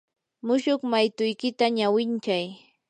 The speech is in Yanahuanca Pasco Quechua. mushuq maytuykita ñawinchay.